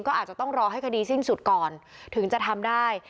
ก็อาจจะต้องรอให้คดีสิ้นสุดก่อนถึงจะทำได้